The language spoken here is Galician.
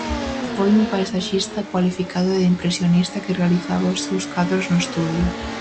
Foi un paisaxista cualificado de impresionista que realizaba os seus cadros no estudio.